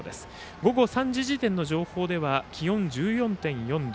午後３時時点の情報では気温１４．４度。